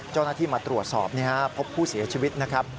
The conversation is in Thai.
เจ้าหน้าที่มาตรวจสอบพบผู้เสียชีวิตนะครับ